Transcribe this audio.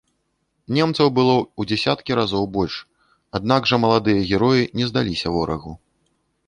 Немцаў было ў дзесяткі разоў больш, аднак жа маладыя героі не здаліся ворагу.